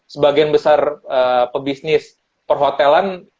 sebagian besar pebisnis perhotelan